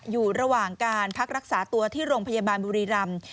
อยู่ระหว่างการพักรักษาตัวที่โรงพยาบาลบุรีรำ